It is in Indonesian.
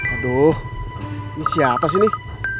aduh ini siapa sih nih